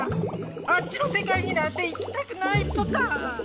あっちのせかいになんて行きたくないポタ。